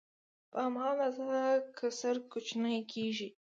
په هماغه اندازه کسر کوچنی کېږي